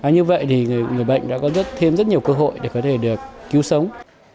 như vậy thì người bệnh đã có thêm rất nhiều cơ hội để có thể được cứu sống